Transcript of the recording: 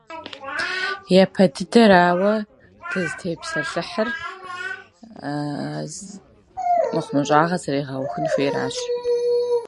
Прежде всего речь идет о необходимости положить конец распространению.